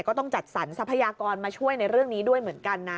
ก็ต้องจัดสรรทรัพยากรมาช่วยในเรื่องนี้ด้วยเหมือนกันนะ